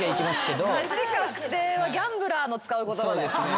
勝ち確定はギャンブラーの使う言葉だよ。